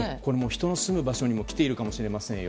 人の住む場所にも来ているかもしれませんよ。